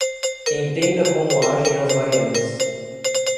Entenda como agem as variantes